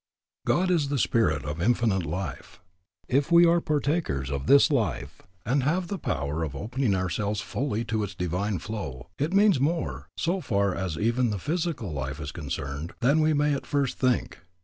God is the Spirit of Infinite Life. If we are partakers of this life, and have the power of opening ourselves fully to its divine inflow, it means more, so far as even the physical life is concerned, than we may at first think.